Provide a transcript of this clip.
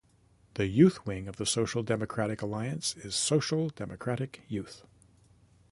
The youth wing of the Social Democratic Alliance is Social Democratic Youth.